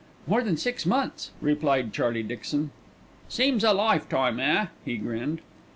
"More than six months," replied Charlie Dixon. "Seems a lifetime, eh?" he grinned.